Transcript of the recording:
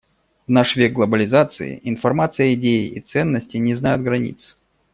В наш век глобализации информация, идеи и ценности не знают границ.